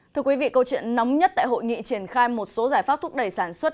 thưa quý vị câu chuyện nóng nhất tại hội nghị triển khai một số giải pháp thúc đẩy sản xuất